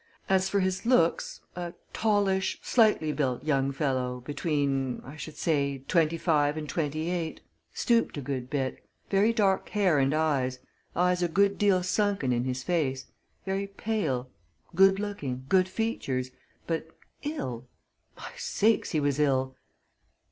"As for his looks a tallish, slightly built young fellow, between, I should say, twenty five and twenty eight. Stooped a good bit. Very dark hair and eyes eyes a good deal sunken in his face. Very pale good looking good features. But ill my sakes! he was ill!"